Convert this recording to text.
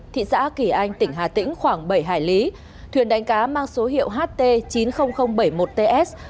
thị xã kỳ anh tỉnh hà tĩnh khoảng bảy hải lý thuyền đánh cá mang số hiệu ht chín mươi nghìn bảy mươi một ts